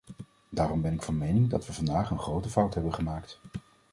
Daarom ben ik van mening dat we vandaag een grote fout hebben gemaakt.